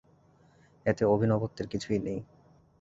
এতে অভিনবত্বের কিছুই নেই।